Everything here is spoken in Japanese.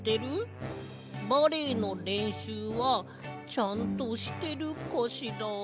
バレエのれんしゅうはちゃんとしてるかしら？」。